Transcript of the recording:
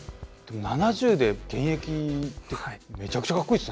７０で現役ってめちゃくちゃかっこいいですね。